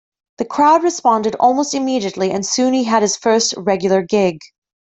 The crowd responded almost immediately and soon he had his first regular gig.